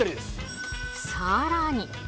さらに。